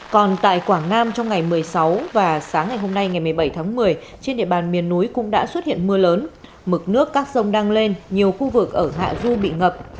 còn tại quảng nam trong ngày một mươi sáu và sáng ngày hôm nay ngày một mươi bảy tháng một mươi trên địa bàn miền núi cũng đã xuất hiện mưa lớn mực nước các sông đang lên nhiều khu vực ở hạ du bị ngập